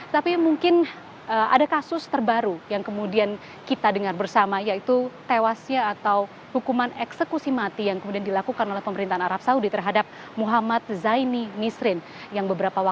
tapi mungkin ada kasus terbaru yang kemudian kita dengar bersama yaitu tewasnya atau hukuman eksekusi mati yang kemudian dilakukan oleh pemerintahan arab saudi terhadap muhammad zaini nisrin yang beberapa waktu